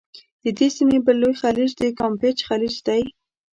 د دې سیمي بل لوی خلیج د کامپېچ خلیج دی.